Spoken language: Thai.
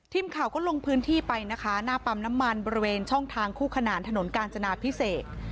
ทีมข่าวก็ลงพื้นที่ไปนะคะหน้าปั๊มน้ำมันบริเวณช่องทางคู่ขนานถนนกาญจนาพิเศษ